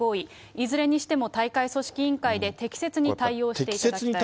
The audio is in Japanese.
いずれにしても大会組織委員会で適切に対応していただきたい。